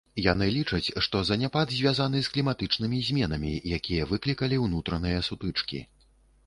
Яны лічаць, што заняпад звязаны з кліматычнымі зменамі, якія выклікалі ўнутраныя сутычкі.